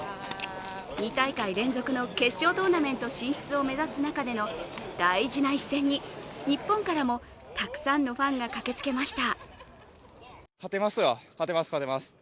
２大会連続の決勝トーナメント進出を目指す中での大事な一戦に日本からもたくさんのファンが駆けつけました。